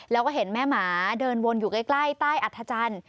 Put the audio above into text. แล้วก็เห็นแม่หมาเดินวนอยู่ใกล้ใต้อัธจันทร์